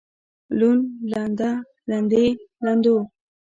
لوند لنده لندې لندو